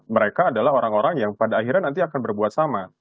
mereka adalah orang orang yang pada akhirnya nanti akan berbuat sama